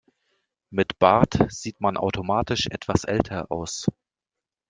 Mit Bart sieht man automatisch etwas älter aus.